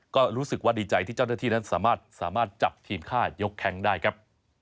ก็รู้สึกว่าดีใจที่เจ้าหน้าที่นั้นสามารถจับทีมฆ่ายกแคงได้ครับ